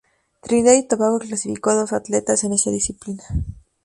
Trinidad y Tobago clasificó a dos atletas en esta disciplina.